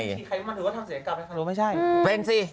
ดูไขมันหรือว่าทำศัลยกรรมจะฮังรู้ไม่ใช่